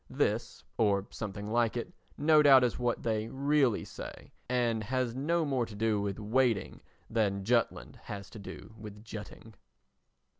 This, or something like it, no doubt is what they really say and has no more to do with waiting than Jutland has to do with jutting.